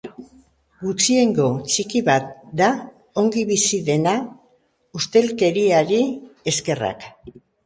Gutxiengo txiki bat da ongi bizi dena, ustelkeriari eskerrak.